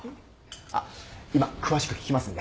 あっ今詳しく聞きますんで。